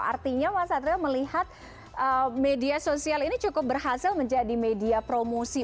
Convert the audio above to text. artinya mas satrio melihat media sosial ini cukup berhasil menjadi media promosi